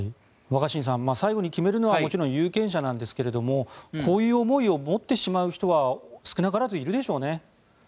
若新さん最後に決めるのはもちろん有権者なんですがこういう思いを持ってしまう人は少なからずいるでしょうね。